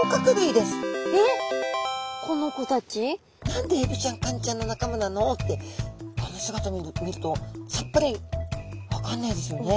何でエビちゃんカニちゃんの仲間なのってこの姿見るとさっぱり分かんないですよね。